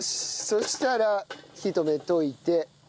そしたら火止めといて。